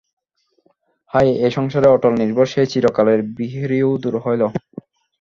হায়, এই সংসারের অটল নির্ভর সেই চিরকালের বিহারীও দূর হইল।